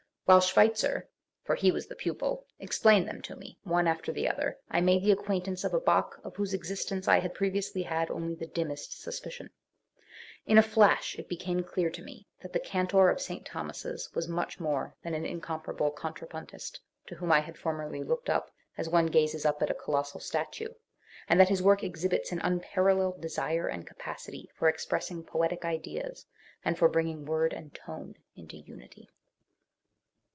While Schweitzer for he was the pupil explained them to me one after the other, 1 made the acquaintance of a Bach of whose existence I had pre viously had only the dimmest suspicion, In a flash it became clear to me that the cantor, of St. Thomas's was much more than an incomparable contrapuntist to whom I had formerly looked up as one gazes up at a colossal statue, and that his work exhibits an unparalleled desire, and capacity for expressing poetic ideas and for bringing word and tone into unity.